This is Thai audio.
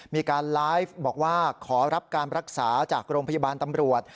มีการไลฟ์บอกว่าขอรับการรักษาจากโรงพยาบาลตำรวจ